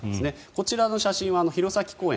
こちらの写真は弘前公園